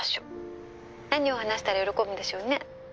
「何を話したら喜ぶんでしょうね」